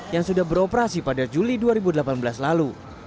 yang sudah beroperasi pada juli dua ribu delapan belas lalu